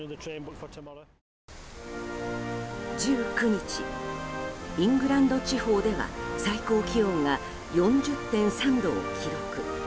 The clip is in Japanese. １９日、イングランド地方では最高気温が４０．３度を記録。